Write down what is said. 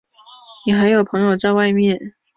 你还有朋友在外面？